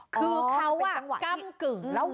คือเขากำกึ๋อแล้วไหว